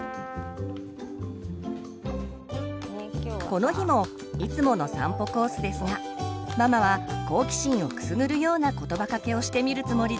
この日もいつもの散歩コースですがママは好奇心をくすぐるような言葉掛けをしてみるつもりです。